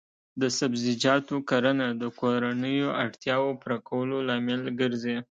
د سبزیجاتو کرنه د کورنیو اړتیاوو پوره کولو لامل ګرځي.